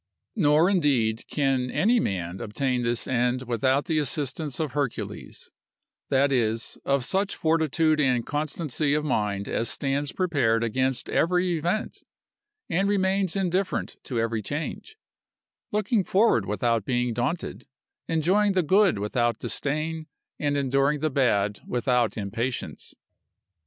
Nor indeed can any man obtain this end without the assistance of Hercules; that is, of such fortitude and constancy of mind as stands prepared against every event, and remains indifferent to every change; looking forward without being daunted, enjoying the good without disdain, and enduring the bad without impatience.